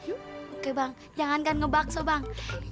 yuk oke bang jangankan ngebakso bang